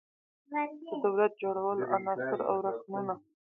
د دولت جوړولو عناصر او رکنونه